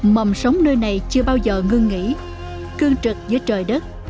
mầm sống nơi này chưa bao giờ ngưng nghỉ cương trực giữa trời đất